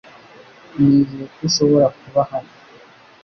Nizeye ko ushobora kuba hano .